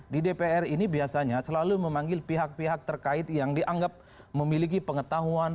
di dpr ini biasanya selalu memanggil pihak pihak terkait yang dianggap memiliki pengetahuan